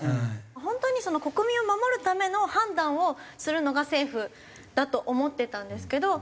本当に国民を守るための判断をするのが政府だと思ってたんですけど。